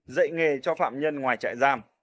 dạy nghề cho phạm nhân ngoài trại giam